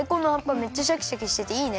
めっちゃシャキシャキしてていいね。